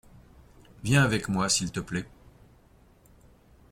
Viens avec moi s’il te plait.